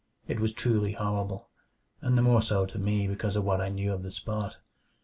It was truly horrible, and the more so to me because of what I knew of the spot.